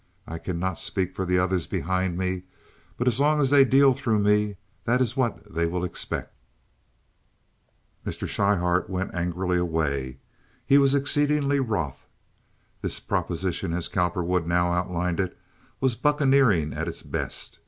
I cannot speak for the others behind me, but as long as they deal through me that is what they will expect." Mr. Schryhart went angrily away. He was exceedingly wroth. This proposition as Cowperwood now outlined it was bucaneering at its best.